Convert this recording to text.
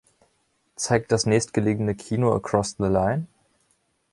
Zeigt das nächstgelegene Kino Across the Line?